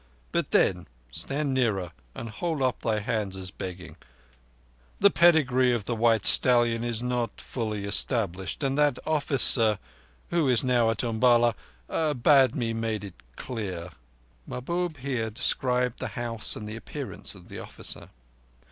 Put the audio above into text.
But then—stand nearer and hold up hands as begging—the pedigree of the white stallion was not fully established, and that officer, who is now at Umballa, bade me make it clear." (Mahbub here described the horse and the appearance of the officer.)